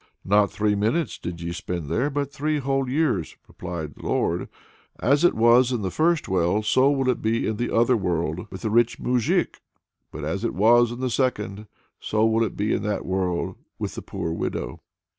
"Not three minutes did ye spend there, but three whole years," replied the Lord. "As it was in the first well, so will it be in the other world with the rich moujik! But as it was in the second well, so will it be in that world with the poor widow!"